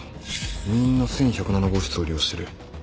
みんな１１０７号室を利用してる。